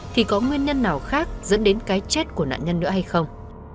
thì có nguyên nhân nào khác dẫn đến cái chết của nạn nhân nữa hay không